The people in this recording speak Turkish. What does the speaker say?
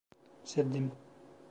Sevdim.